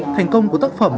thành công của tác phẩm